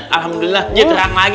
alhamdulillah dia terang lagi